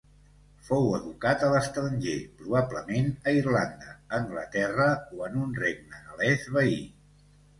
Fou educat a l'estranger, probablement a Irlanda, Anglaterra o en un regne gal·lès veí.